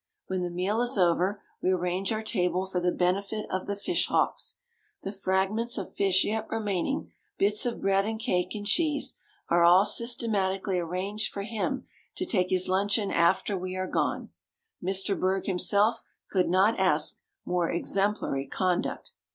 When the meal is over, we arrange our table for the benefit of the fish hawks. The fragments of fish yet remaining, bits of bread and cake and cheese, are all systematically arranged for him to take his luncheon after we are gone. Mr. Bergh himself could not ask more exemplary conduct.